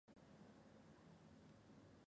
Dennis Cliff Smith Jr.